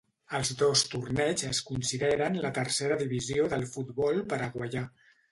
Els dos torneigs es consideren la tercera divisió del futbol paraguaià.